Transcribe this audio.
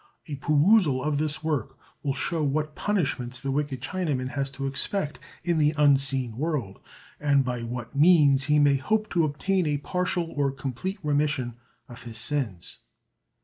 A perusal of this work will shew what punishments the wicked Chinaman has to expect in the unseen world, and by what means he may hope to obtain a partial or complete remission of his sins.